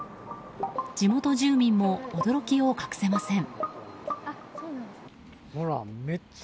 地元住民も驚きを隠せません。